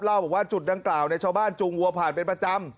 เล่าบอกว่าจุดดังกล่าวชาวบ้านจูงวัวผ่านเป็นประจำ